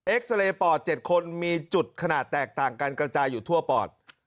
ซาเรย์ปอด๗คนมีจุดขนาดแตกต่างกันกระจายอยู่ทั่วปอด